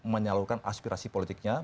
menyalurkan aspirasi politiknya